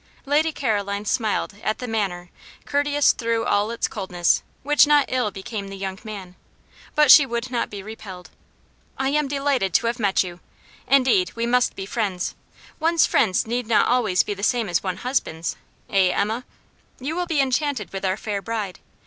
Lady Caroline smiled at the manner, courteous through all its coldness, which not ill became the young man. But she would not be repelled. "I am delighted to have met you. Indeed, we must be friends. One's friends need not always be the same as one's husband's, eh, Emma? You will be enchanted with our fair bride.